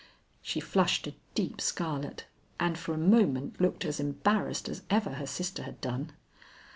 She flushed a deep scarlet, and for a moment looked as embarrassed as ever her sister had done.